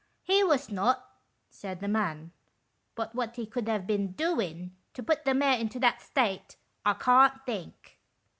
"He was not," said the man, "but what he could have been doin' to put the mare into that state, I can't think."